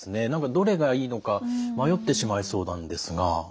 どれがいいのか迷ってしまいそうなんですが。